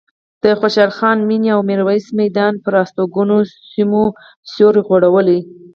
د خوشحال خان مېنې او میرویس میدان پر هستوګنو سیمو سیوری غوړولی.